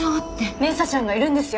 明紗ちゃんがいるんですよ